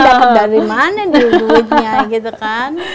dapat dari mana dulu duitnya gitu kan